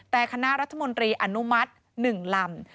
แต่คณะรัฐมนตรีอนุมัติ๑ลำ